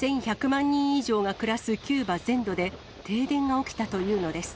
１１００万人以上が暮らすキューバ全土で、停電が起きたというのです。